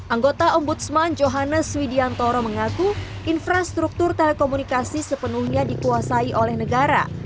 anggota ombudsman johannes widiantoro mengaku infrastruktur telekomunikasi sepenuhnya dikuasai oleh negara